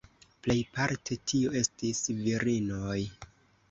Plejparte tio estis virinoj.